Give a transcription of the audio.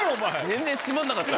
全然絞まんなかった。